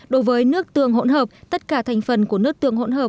đối với nước tương hỗn hợp tất cả thành phần của nước tương hỗn hợp